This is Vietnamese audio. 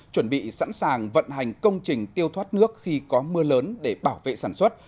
chuẩn bị sẵn sàng vận hành công trình tiêu thoát nước khi có mưa lớn để bảo vệ sản xuất